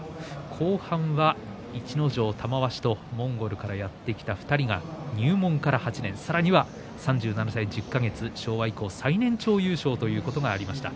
後半は逸ノ城、玉鷲とモンゴルからやって来た２人が入門から８年さらには３７歳１０か月昭和以降最年長優勝ということがありました。